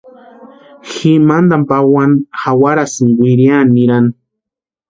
Ji mantani pawani jawarasïnka wiriani nirani.